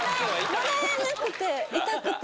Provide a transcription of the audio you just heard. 笑えなくて痛くて。